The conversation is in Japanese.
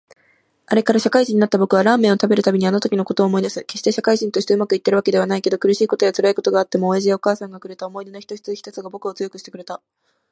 あれから、社会人になった僕はラーメンを食べるたびにあのときのことを思い出す。決して社会人として上手くいっているわけではないけど、苦しいことや辛いことがあっても親父やお母さんがくれた思い出の一つ一つが僕を強くしてくれた。